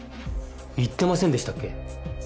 言ってませんでしたっけ。